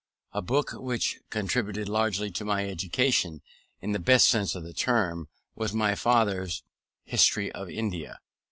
A book which contributed largely to my education, in the best sense of the term, was my father's History of India.